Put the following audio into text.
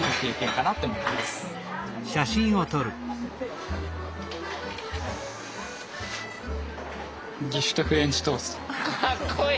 かっこいい！